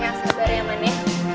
yang sabar ya man ya